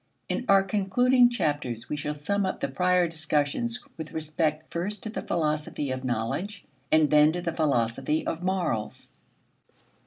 In our concluding chapters we shall sum up the prior discussions with respect first to the philosophy of knowledge, and then to the philosophy of morals.